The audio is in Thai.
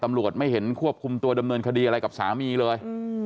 ไม่เห็นควบคุมตัวดำเนินคดีอะไรกับสามีเลย